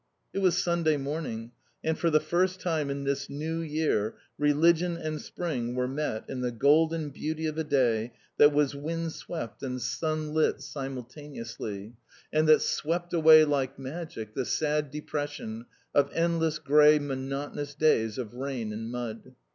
It was Sunday morning, and for the first time in this new year religion and spring were met in the golden beauty of a day that was windswept and sunlit simultaneously, and that swept away like magic the sad depression of endless grey monotonous days of rain and mud.